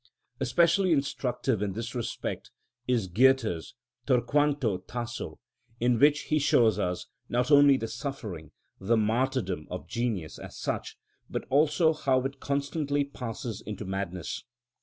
Especially instructive in this respect is Goethe's "Torquato Tasso," in which he shows us not only the suffering, the martyrdom of genius as such, but also how it constantly passes into madness.